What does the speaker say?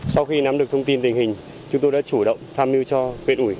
sau khi nắm được thông tin tình hình chúng tôi đã chủ động tham mưu cho huyện ủy